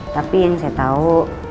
tapi yang saya tahu